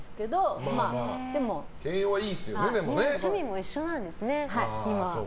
趣味も一緒なんですね、今は。